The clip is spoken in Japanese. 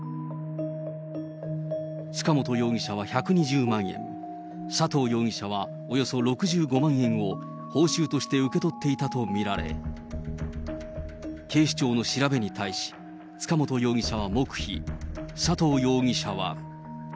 塚本容疑者は１２０万円、佐藤容疑者はおよそ６５万円を、報酬として受け取っていたと見られ、警視庁の調べに対し、塚本容疑者は黙秘、佐藤容疑者は。